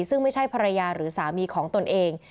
ซึ่งไม่ใช่ภรรยาหรือสามีของตนเอง